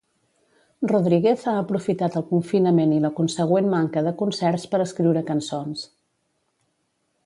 Rodríguez ha aprofitat el confinament i la consegüent manca de concerts per escriure cançons.